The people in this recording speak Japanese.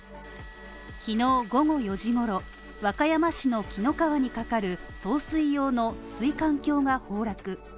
きのう午後４時ごろ、和歌山市の紀の川に架かる送水用の水管橋が崩落。